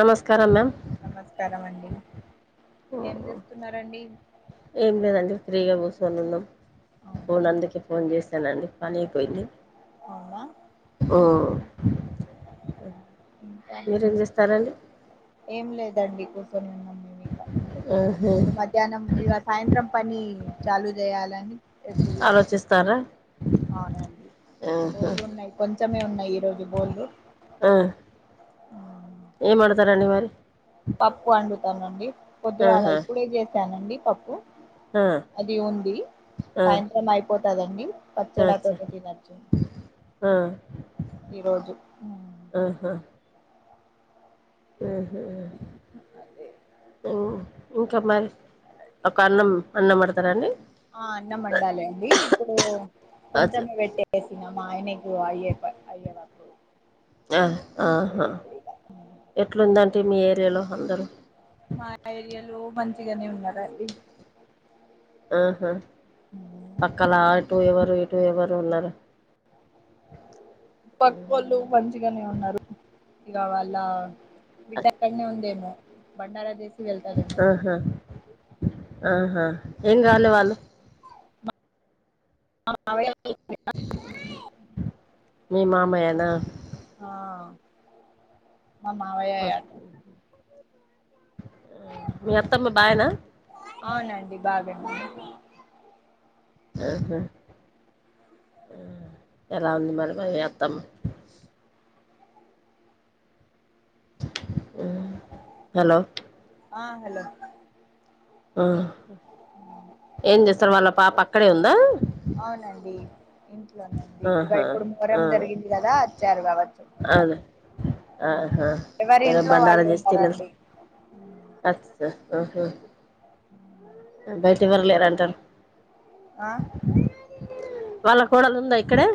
నమస్కారం మ్యామ్ నమస్కారం అండి ఏం చేస్తునరండి ఏం లేదండి ఫ్రీగా కూసోని ఉన్నాం ఫోన్ అందుకే ఫోన్ చేశానండి పనీపోయింది అవునా ఓ ఇంకా ఏం లేదండి ఉం ఇక మ్హూ. ఇప్పుడు మధ్యానం ఇగా సాయంత్రం పని చాలు చేయాలని ఎదురు చూస్తున్నాం ఆలోచిస్తారా అవునండి ఆహా. బోలు ఉన్నాయి కొంచమే ఉన్నాయి ఈ రోజు బోలు ఆ. ఏం ఒండుతారండి మరి పప్పు వండుతానండి పొద్దు గలా ఆహా ఇప్పుడే చేశానండి పప్పు ఆ అది ఉంది ఆ సాయంత్రం అయిపోతదండి అచ్చా పచ్చడాతోటితినచు ఆ ఈరోజు ఉ ఆహా ఊహు అదే ఈ ఇంకా మరి ఆకన్నం అన్నం వండుతరండి ఆ అన్నం వండాలే అండి ఇప్పుడు అచ్చ కొంచెమే పెట్టేసినా మాయనికు అయే అయ్య రా ఆ ఆహా ఎట్లుందంటి మీ ఏరియాలో అందరూ మా ఏరియాలో మంచిగానే ఉనరండి ఆహా పక్కలా ఆటు ఎవరు ఇటు టు ఎవరు ఉనారు పాకోలు మంచిగానే ఉన్నారు ఇగ వాళ్ళ బిడ్డ అక్కని ఉంది ఏమో బండార దే ఆహా ఆహా ఏం గాలే వాళ్ళు మా మామయోలు మీ మామయనా ఆ మా మావయయ ఆ మీ అత్తమ్మ బాగౌన అవునండి [inaudible] ఏహా ఆ ఎలా ఉంది మరి మీ అత్తమా ఆ హలో ఆ హలో ఆ ఏం చేస్తారు వాళ్ళ పాప అక్కడే ఉందా అవునండి ఇంట్లోనేంది ఇగ ఆహా ఇప్పుడు ఆ మోరం జరిగింది గదా వచ్చారు కావచ్చు అదే ఆహా ఎవరి ఇంట్లో వాళ్ళు ఉన్నారండి ఆచాస్ ఆహా బయిటీ ఇవ్వరలేరు అంటారు ఆ వాళ్ళ కోడలు ఉందా ఇక్కడే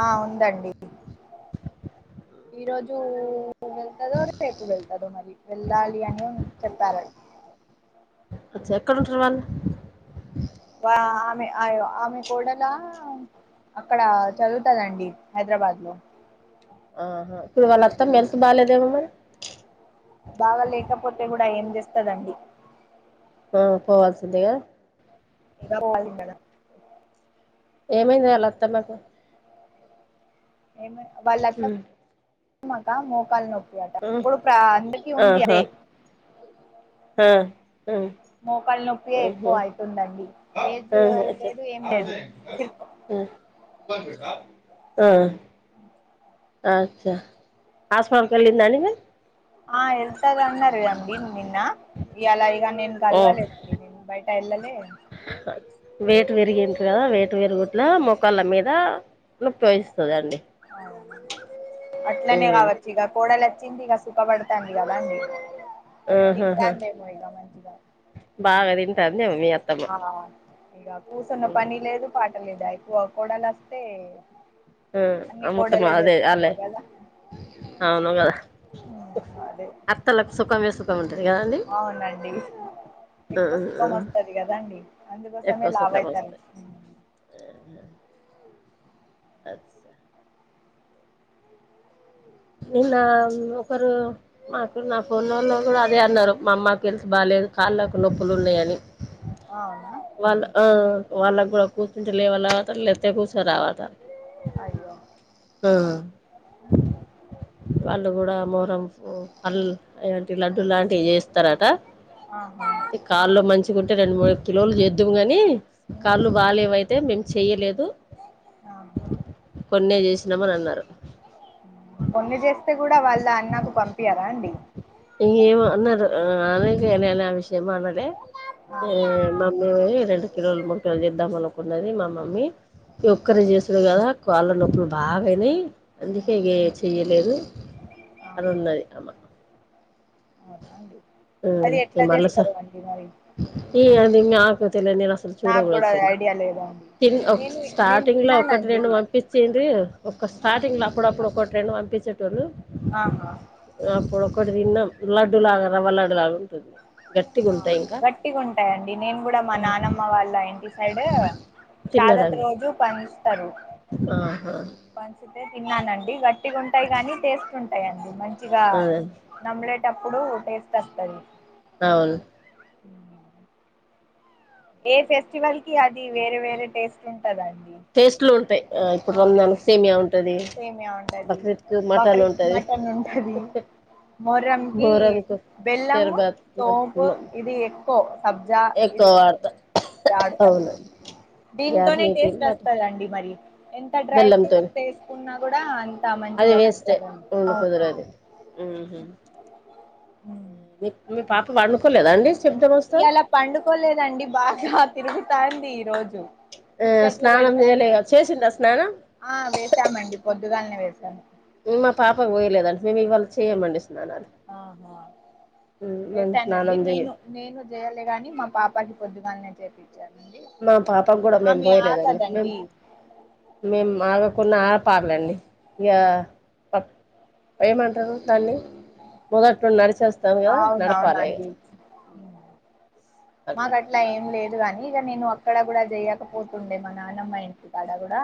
ఆ ఉందండి [unintelligible] ఈ రోజు వెళ్తదో రేపు వెళ్తుదో మరి వెళ్ళాలి అని చెప్పారట అచ అక్కడ ఉంటారువాలు వా ఆమె అయో ఆమె కోడల అక్కడ చదువుతదండి హైదరాబాద్ లో ఆహా ఇప్పుడు వాళ్ళ అత్తమ్మ హెల్త్ బాలేదేమో మరి బాగా లేకపోతే కూడా ఏం చేస్తదండి ఆ పోవాల్సిందే కదా ఇంగ పోవాలి కదా ఏమైంది వాళ్ల అత్తమ్మ కు ఏమి వాళ్ళ ఉమ్ అత్తమ్మా కా మోకాలు నొప్ప ట ఉమ్ ఇప్పుడు ప్ర అందరికి ఉంది ఆహా అదే ఆ ఆ మోకాలు నొప్పి ఎక్కువ అవుతుందండి ఏజ్ ఆ అచ్చ లేదు ఏం లేదు ఆ అచ్చా హాస్పిటల్ కి వెళ్లిందా అండి మరీ ఆ వెళ్తాగన్నార అండి నిన్న ఇయాల నేను ఓ కల్వ లేదండీ నేను బయట ఎల్లలే వేటు పెరిగిట్ కదా వేటు పెరుగుట్లా మోకాళ్ళ మీద ఉపయోగిస్తుదండి అట్లనే ఉమ్ కావచ్చు ఇగ కోడలు వచ్చింది ఇగ సుఖపడతాంది కదాండి ఆహాహా తింటాంది ఎమో ఇగ మంచిగా బాగా తింటాంది మీ అత్తమ్మ ఆ ఇగ కూర్చున్న పని లేదు పాట లేదాయి కోడలు వస్తే ఆ అన్ని ఆ మొత్తమ్మ కోడలే అదే అల్లే చేసుకుంటారు కదా అవును కదా అదే అత్తలకు సుఖమే సుఖం ఉంటది కదండి అవునండీ ఆ ఎక్కు చప్ప ఆ మస్త [unintelligible] వది కదండి అందుకోసమే ఎక్కువ లావు సుఖం అయితారు వస్తాయి అచ్చా నిన్న ఒకరు మాకు నా ఫోన్ళ్ళలో [unintelligible] కూడా అదే అన్నారు మా అమ్మకి తెలిసి బాగాలేదు కాళ్ళకు నొప్పులు ఉన్నాయని అవునా వాళ్ళ ఆ వాళ్ళ కూడా కూర్చుంటే లే వాళత లే కుస రావాత [unintelligible] అయ్యో వాళ్ళు కూడా మోహారం పల్ ఇలాంటి లడ్డు లాంటివి చేస్తారట ఆహా కాళ్లు మంచిగ గుంటే రెండు మూడు కిలోలు చేద్దము కానీ కాళ్ళు బాగాలేేవైతే మేము చెయ్యలేదు కొన్నే చేసినమని అన్నారు కొన్ని చేస్తే కూడా వాళ్ళ అన్నకు పంపియరా అండి ఇ అన్నారు అందుక ఏనా [unintelligible] ఆ విషయం మాలేే ఆహా ఆ మమ్మీ రెండు కిలోలు ముడు కిలోలు చేద్దాం అనుకున్నది మమ్మీ మమ్మీ ఒక్కరే చేసుడు కదా కాళ్ళ నొప్పులు బాగా అయినాయి అందుకే ఇగ చెయ్యలేదు అని ఆహా ఉన్నది అమ్మ అవునా అండి ఆ అది ని ఎట్లా మలస చేస్తారు అండి మరి ఈ అదిం ఆక [unintelligible] తెల నేను అసలు చూడూ నాకు కూడా అది చూలేడి ఐడియా లేదండి [unintelligible] తి ఒక నేను నేను స్టార్టింగ్ లో ఒకటి తిన్నానండి రెండు పంపించింది ఒక ఆహా స్టార్టింగ్ లో అప్పుడప్పుడు ఒకటి రెండు పంపి టోళ్ళు ఆహా అప్పుడు ఒకటి తిన్నాం లడ్డు లాగా రవ్వ లడ్డు లాగా ఉంటుంది గట్టిగా ఆ ఉంటాయి ఇంకా గట్టిగా ఉంటాయండి నేను కూడా మా నానమ్మ వాళ్ళ ఇంటి సైడ్ శాదత్ తిన్నారండి రోజు ప ఆహా పంచితే తిన్నానండి గట్టిగా ఉంటాయి గాని టేస్ట్ ఉంటాయిండి మంచి ఇగా ఆ నమ్లేటప్పుడు టేస్ట్ వస్తది అవును ఉ ఏ ఫెస్టివల్ కి అది వేరే వేరే టేస్ట్ ఉన్ టేస్ట్లు ఉంటాయి ఆ ఇప్పుడు అవును [unintelligible] సేమ్యా ఉంటది సేమియా ఉంటది బక్రీద్ కు మటన్ బక్రీద్ కి ఉంటది మటన్ ఉంటది మొహర్రం కి వారన్ ఒకసారి బెల్లము సోంపు [unintelligible] ఇది ఎక్కువ సబ్జా ఇది [unintelligible] యాడుంటరు అవునండి దీంతోనే గ్యార్మీకి మటన్ చేస్కొస్తడండి మరి ఎంత డ్రై బెల్లంతోని ఫ్రూట్స్ ఏసుకున్నా కూడా అన్ అది వేస్ట్ ఉండు కుదరదు ఉమ్. మీ మీ పాప పండుకోలేదా అండి శబ్దం వస్తా ఇయాల పండుకోలేదండి బాగా తిరుగుతాంది ఈ రోజు ఆ ముచ్చట్లు స్నానం చేయలే పెడతాంది చేసిందా స్నానం ఆ వేసామండి పొద్ పొద్దుగాల్నే వేసాను మేం మా పాపకు పోయలేదండి మేము ఇవాళ చేయ్యమండి ఆహా మేము వేసానండి స్నానం చెయ్యం నేను నేను జేయలే గాని మా పాపకి పొద్ధుగాల్నే జేపి మా పాపగుడా మేము పోయలేదండి మేం ఆగదండి మేం ఆగ కున్న ఆ పాగలండి ఇగ ప ఏమంటరు దాన్ని మొగట్ నుండి నడిస్ అవునవునండి అట్లా మాకట్లా ఏం లేదు ఇవన్నీ ఇగ నేను అక్కడ కూడా చేయకపోతుండే మా నానమ్మ ఇంటి కాడ గుడా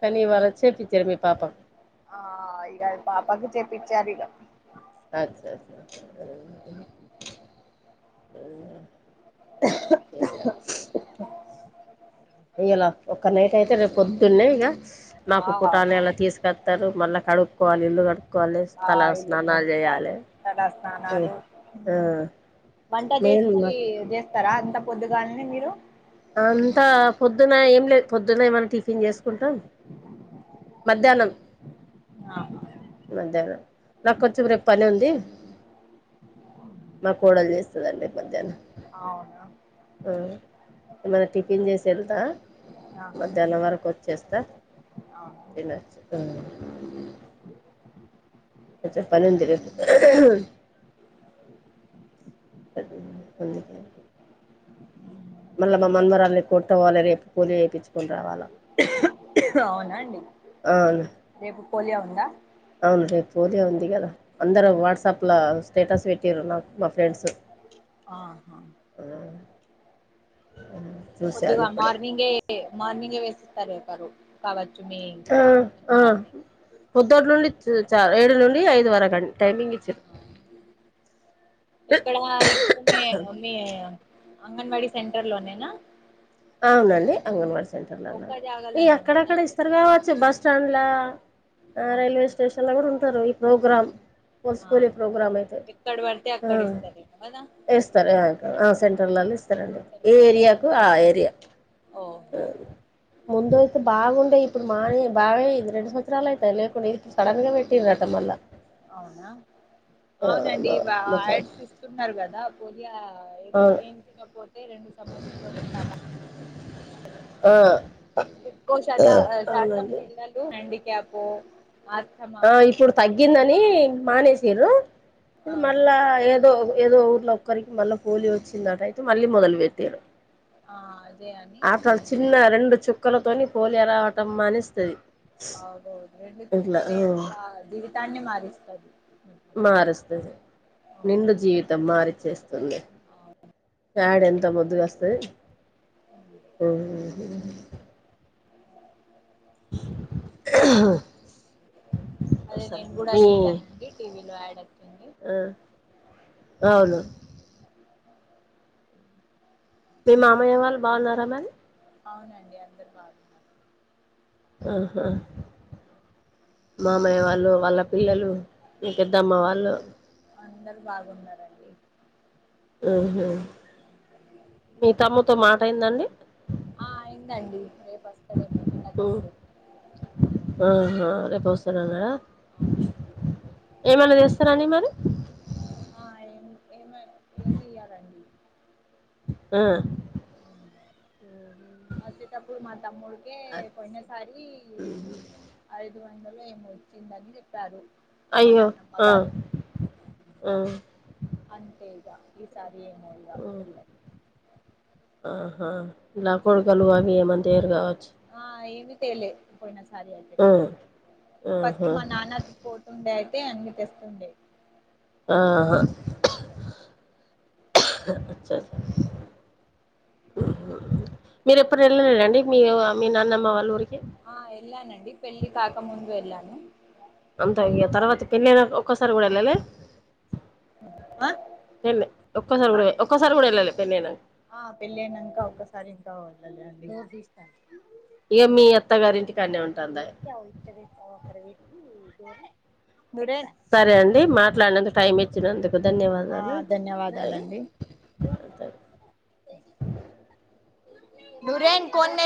కనీ వాల్ల చేపిచడమే పాపం ఆ ఇగ ఆల్ పాపకి చెప్పిచారిగా అచ్చ ఇంగ అదేనా విశేషాలు ఇయాల ఒక్క నైట్ అయితే రేపు పొద్దున్నే ఇక నాకు ఆ పుటానిలా తీసుకత్తరు మళ్ళా కడుక్కో ఆ ఇల్లు కడుక్కోవాలి చేయాలి తలాస్నానాలు ఆ వంట మెయిన్ చేసి జేస్తరా అంత పొద్దుగాల్నే మీరు అంతా పొద్దున ఏం లేదు పొద్దున ఏమన్న టిఫిన్ చేసుకుంటాం మధ్యాహ్నం ఆహా మధ్యానం నాకు కొంచెం రేప్ పనుంది మా కోడలు చేస్తదండి మధ్యాహ్నం అవునా ఆ ఏమన్న టిఫిన్ జెస్ ఎల్తా మధ్యాహ్నం వరకు వచ్చేస్తా అవును తిన చికెన్ కొంచెం పనుంది రేపు అది అందుకే మళ్ళ మా ఇంకా మనవరాలిని తోడ్క పోవలే రేపు పోలియో ఏపిచ్కొని అవునా అండి అవును రేపు పోలియా ఉందా అవును రేప్ పోలియో ఉంది కదా అందరు వాట్సాప్లో స్టేటస్ పెట్టిరు నాకు మా ఫ్రెండ్స్ ఆహా చూశాను ముందుగా ఇప్పుడే మార్నింగే మార్నింగే వేసేస్తరంటారు [unintelligible] ఆ ఆ పొద్దునుండి చా ఏడు నుండి ఐదు వరకు టైమింగ్ ఇచ్చిర్రు ఎక్కడ ఇక్కడనే మీ అంగన్వాడీ సెంటర్ లో నేనా అవునండి అంగన్వాడీ సెంటర్ లో ఉన్నాను ఈ జాగాలోనే ఉందా ఎక్కడెక్కడ అండి ఇస్తారు కావచ్చు బస్టాండ్ల ఆ ఆహా రైల్వే స్టేషన్ లో కూడ ఉంటారు ఈ ప్రోగ్రాం ఆ పోసుపోలే ప్రోగ్రామ్ అయితే ఎక్కడ పడితే అక్కడ ఆ ఇస్తారేమో కదా ఇస్తారు సెంట్రల్ళ ఇస్తారండి ఏ సెంటర్లో ఏరియాకు ఆ ఏరియా ఓహో ముందు ఐతే బాగుండే ఇప్పుడు మానే బాగ ఇది రెండు సంవత్సరాలు అయితాయి లేకుండా ఇప్పుడు సడన్ గా పెట్టిర్రట మళ్ళ అవునా అవునండి మా ముచ్చ యాడ్స్ ఇస్తున్నారు కదా పోలియా అవును ఎంచకపోతే రెండు సంవత్సరాలు [unintelligible] ఆ ఎక్కువ ఆ శాతం అవునండి పిల్లలు ఆస్తమా ఆ ఇప్పుడు తగ్గిందని మానేసిరూ ఇపుడు ఆహా మళ్ళా ఏదో ఏదో ఊర్లో ఒక్కరికి మళ్ళా పోలియో వచ్చిందట అయితే మళ్ళీ మొదలు పెట్టిల్లు ఆ అదే అని ఆటలు చిన్న రెండు చుక్కలతోని పోలియా రావటం మానేస్తది. అవును రెండు ఇట్లా ఆ చుక్కలే జీవితాన్నే మారుస్తది మారుస్తది అవును నిండు జీవితం మారి [unintelligible] వస్తుంది యాడ్ ఎంత ముద్దుగా వస్తది. అవును ఉ [inaudible] అదే నేను కూడ మీ చూసానండి టీవీలో యాడ్ అచ్చింది ఆ అవును మీ మామయ్య వాళ్ళు బాగున్నారా మ్యమ్ అవునండి అందరు బాగున్నారు ఆహా మామయ్య వాళ్ళు వాళ్ళ పిల్లలు మీ పెద్దమ్మ వాళ్ళు అందరు బాగున్నారండి. ఆహ మీ తమ్ముని తో మాటయిందండి. ఆ అయిందండి రేపు వస్తాడేమో తినేటప్పుడు ఆహా అవునండి ఏమన చేస్తారా అండి మరి ఆ [unintelligible] ఏమి చేయాలండి. ఆ వచ్చేటప్పుడు మా తమ్ముడికే పోయినసారి ఐదు వందలు ఏమో ఇచ్చిందని చెప్పారు మా అయ్యో నాన్నమ్మ ఆ గారు ఆ అంతే ఇగ ఈసారి ఏమో ఇగ తెల్వదు ఆహా కుడుకలు అవి ఏం అన్న తేరు కదా ఆ ఏమి తేలే పోయిన [unintelligible] ఆ ఫస్ట్ ఆహా మా నాన్న పోతుండే అన్ని తెస్తుండే ఆ మీరు ఎప్పుడు వెళ్లలేద అండి మీ మీ నాన్నమ్మ వాళ్ళు ఆ ఎల్లానండి పెళ్ళి కాక ముందు ఎళ్ అంతే ఇగ తర్వాత పెల్లియిన ఒక్కసారి కూడా వెళ్ళాలే ఆ ఒక్కసారి కూడ ఒక్కసారి కూడా వెళ్ళాలే పెళ్లయినంక ఆ పెళ్ళ అయినంక ఒక్కసారి ఇంకా వెళ్లలేదండి. ఇక [unintelligible] మీ అత్తగారింటికాడనే ఉంటాందాయే అక్కడ వెట్టి తేని సరే అండి మాట్లాడినందుకు టైం ఇచ్చినందుకు ఆ ధన్యవాదాలు ధన్యవాదాలండి థ్యాంక్ నూరేన్ కొన్నే